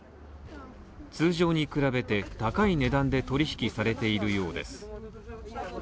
通常に比べて高い値段で取引されているようです。